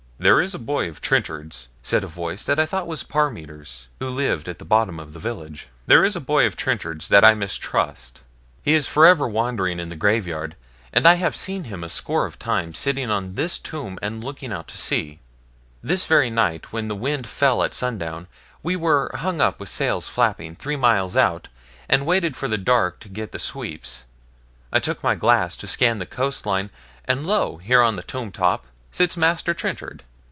'There is a boy of Trenchard's,' said a voice that I thought was Parmiter's, who lived at the bottom of the village 'there is a boy of Trenchard's that I mistrust; he is for ever wandering in the graveyard, and I have seen him a score of times sitting on this tomb and looking out to sea. This very night, when the wind fell at sundown, and we were hung up with sails flapping, three miles out, and waited for the dark to get the sweeps, I took my glass to scan the coast line, and lo, here on the tomb top sits Master Trenchard.